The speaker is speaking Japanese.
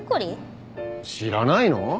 知らないの？